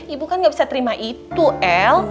ibu kan gak bisa terima itu el